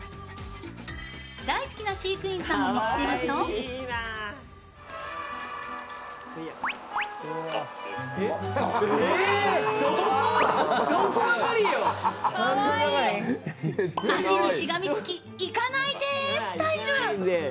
大好きな飼育員さんを見つけると足にしがみつき、行かないでスタイル。